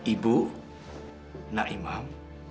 ibu nak imam